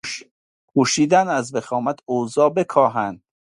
کوشیدند از وخامت اوضاع بکاهند.